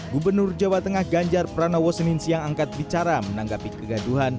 gubernur jawa tengah ganjar pranowo senin siang angkat bicara menanggapi kegaduhan